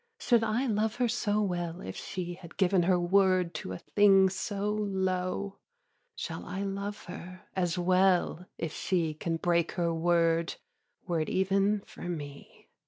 Should I love her so well if she Had given her word to a thing so low? Shall I love her as well if she Can break her word were it even for me?